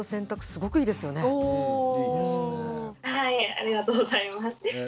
ありがとうございます。